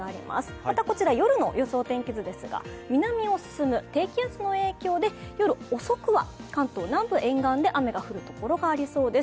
また、こちら夜の予想天気図ですが南を進む低気圧の影響で夜遅くは関東南部沿岸で雨が降るところがありそうです。